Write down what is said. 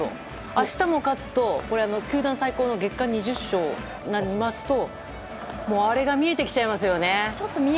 明日も勝つと球団最高の月間２０勝になるとあれが見えてきちゃいますよね。